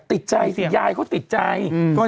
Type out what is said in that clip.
ที่ยายเขาติดใจ